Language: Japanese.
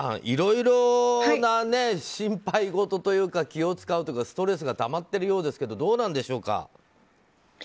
いろいろな心配事というか気を使うとかストレスがたまっているようですけどどうなんでしょうか？